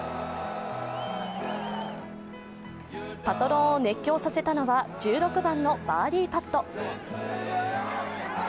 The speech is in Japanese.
パトロンを熱狂させたのは１６番のバーディーパット。